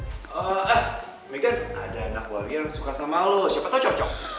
eh megan ada anak waria yang suka sama lo siapa tuh cocok